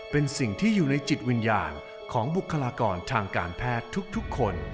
เป็นสิ่งที่อยู่ในจิตวิญญาณของบุคลากรทางการแพทย์ทุกคน